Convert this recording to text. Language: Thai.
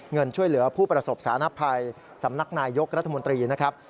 เงินช่วยเหลือผู้ประสบสารภัยสำนักนายยกรัฐมนตรีนะครับ